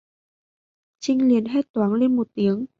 trinh liền hét toáng lên một tiếng